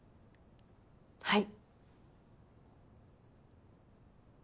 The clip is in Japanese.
はい。